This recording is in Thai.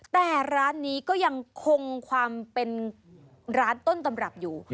แต่ร้านนี้ก็ยังคงความเป็นร้านต้นตำรับอยู่